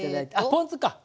ポン酢から？